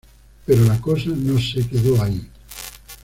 Pero la cosa no se quedó ahí.